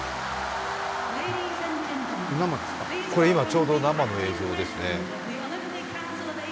ちょうど生の映像ですね。